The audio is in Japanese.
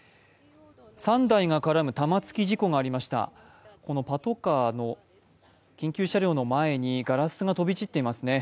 ３台が絡む玉突き事故がありましたパトカー、緊急車両の前にガラスが飛び散っていますね。